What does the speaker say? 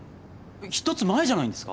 ひとつ前じゃないんですか？